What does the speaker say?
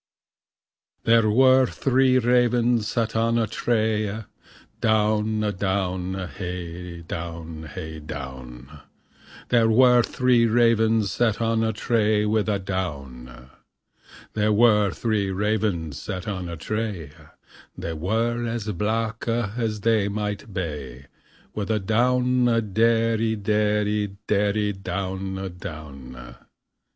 There were three ravens sat on a tree, Downe a downe, hay down, hay downe, There were three ravens sat on a tree, With a downe. There were three ravens sat on a tree, They were as blacke as they might be. With a downe derrie, derrie, derrie, downe, downe. 2.